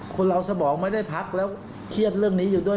คนเราสมองไม่ได้พักแล้วเครียดเรื่องนี้อยู่ด้วย